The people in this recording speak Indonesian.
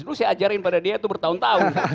terus saya ajarin pada dia itu bertahun tahun